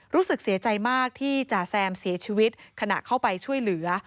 รู้สึกเสียใจมากที่จ่าแซมเสียชีวิตขณะเข้าไปช่วยเหลือ